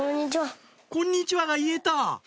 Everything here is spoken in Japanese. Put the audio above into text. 「こんにちは」が言えた！